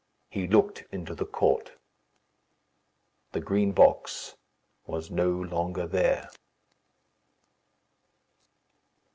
He looked into the court. The Green Box was no longer there.